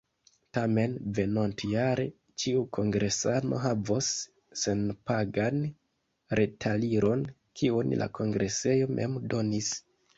Tamen venontjare ĉiu kongresano havos senpagan retaliron, kiun la kongresejo mem donis.